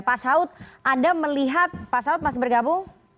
pak saud anda melihat pak saud mas bergabu